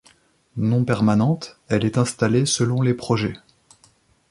Non permanente, elle est installée selon les projets.